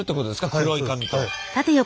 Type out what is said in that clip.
黒い紙と。